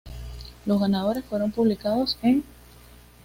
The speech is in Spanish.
Los ganadores fueron publicados enː